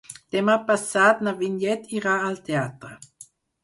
Demà passat na Vinyet irà al teatre.